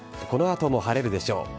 このあとも晴れるでしょう。